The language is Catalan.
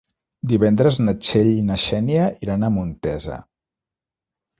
Divendres na Txell i na Xènia iran a Montesa.